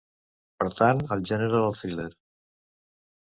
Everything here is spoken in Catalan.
Pertany al gènere del thriller.